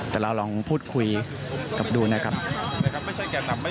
แต่เราลองพูดคุยกับดูนะครับไม่ใช่แกนนำ